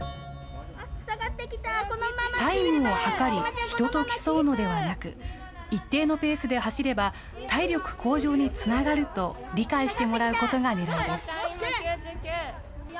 タイムを測り、人と競うのではなく、一定のペースで走れば体力向上につながると理解してもらうことがねらいです。